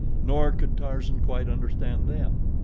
Nor could Tarzan quite understand them.